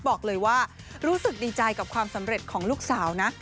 บอกเลยว่ารู้สึกดีใจกับความสำเร็จของลูกสาวนะ